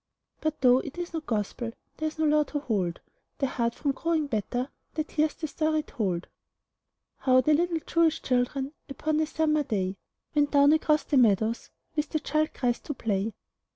But though it is not Gospel, There is no law to hold The heart from growing better That hears the story told: How the little Jewish children Upon a summer day, Went down across the meadows With the Child Christ to play.